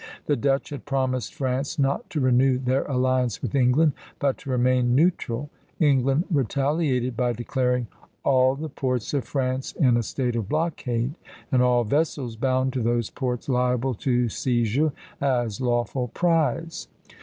The Dutch had promised France not to renew their alliance with England, but to remain neutral. England retaliated by declaring "all the ports of France in a state of blockade, and all vessels bound to those ports liable to seizure as lawful prize."